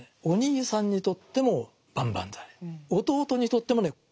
お兄さんにとっても万々歳弟にとってもね